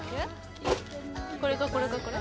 これかこれかこれ？